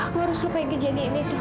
aku harus lupain kejadian itu